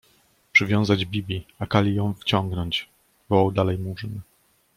— Przywiązać Bibi, a Kali ją wciągnąć! — wołał dalej Murzyn.